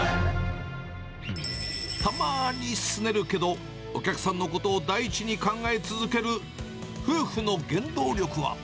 たまーにすねるけど、お客さんのことを第一に考え続ける夫婦の原動力は？